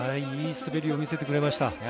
いい滑りを見せてくれました。